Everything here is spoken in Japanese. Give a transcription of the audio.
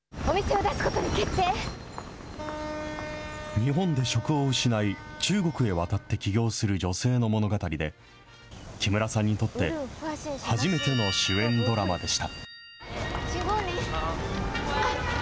日本で職を失い、中国へ渡って起業する女性の物語で、木村さんにとって、初めての主演ドラマでした。